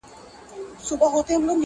هره شمع یې ژړیږي کابل راسي-